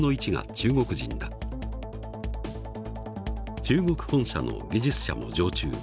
中国本社の技術者も常駐。